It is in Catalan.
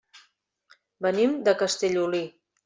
Venim de Castellolí.